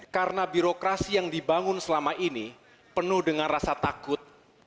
karena birokrasi yang dibangun selama ini penuh dengan rasa takut